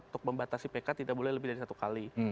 untuk membatasi pk tidak boleh lebih dari satu kali